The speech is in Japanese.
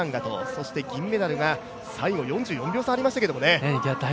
そして銀メダルが最後４４秒差がありましたけどもね。